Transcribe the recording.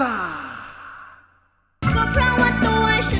อาทักอาแตนโยงโย